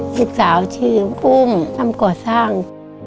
พี่สาวชื่อกุ้งทำก่อสร้าง